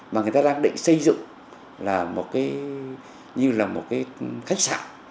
mà người ta đang định xây dựng như là một cái khách sạn